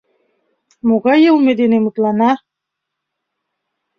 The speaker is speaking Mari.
— Могай йылме дене мутлана?